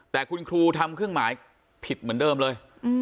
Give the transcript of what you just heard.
แต่คุณครูทำเครื่องหมายผิดเหมือนเดิมเลย